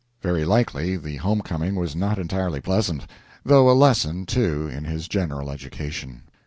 Very likely the home coming was not entirely pleasant, though a "lesson," too, in his general education.